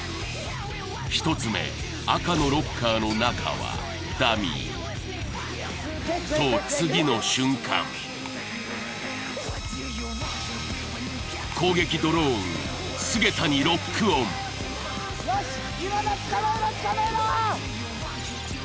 １つ目赤のロッカーの中はダミーと次の瞬間攻撃ドローンが菅田にロックオンよし今だ捕まえろ捕まえろ！